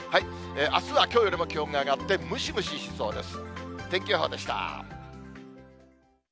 あすはきょうよりも気温が上がってムシムシしそうです。